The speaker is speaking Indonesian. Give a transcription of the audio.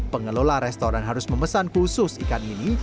pengelola restoran harus memesan khusus ikan ini